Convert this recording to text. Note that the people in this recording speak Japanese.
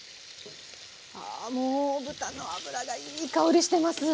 ああもう豚の脂がいい香りしてます。